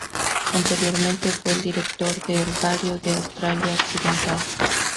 Anteriormente fue el Director del Herbario de Australia Occidental.